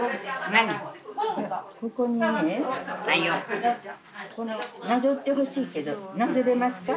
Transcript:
なぞってほしいけどなぞれますか？